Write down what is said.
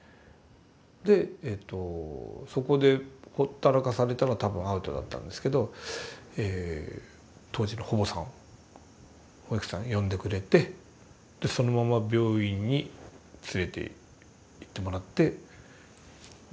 でえとそこでほったらかされたら多分アウトだったんですけど当時の保母さん保育士さん呼んでくれてそのまま病院に連れて行ってもらって九死に一生を得ると。